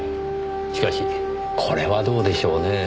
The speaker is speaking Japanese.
しかしこれはどうでしょうねぇ。